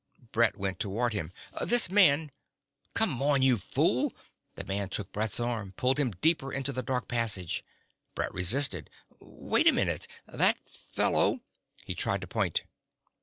Brett went toward him. "This man ..." "Come on, you fool!" The man took Brett's arm, pulled him deeper into the dark passage. Brett resisted. "Wait a minute. That fellow ..." He tried to point.